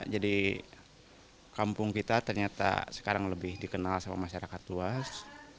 jadi kampung kita ternyata sekarang lebih dikenal sama masyarakat luas